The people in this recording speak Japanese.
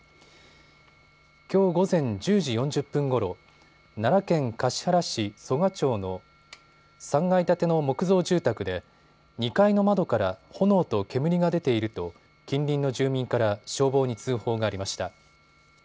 きょう午前１０時４０分ごろ、奈良県橿原市曽我町の３階建ての木造住宅で２階の窓から炎と煙が出ていると近隣の住民から消防に通報がありました。